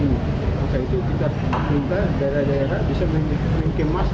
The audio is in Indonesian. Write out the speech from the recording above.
oleh karena itu kita minta daerah daerah bisa mengemas ini